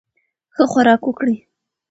ښه خوراک وکړئ.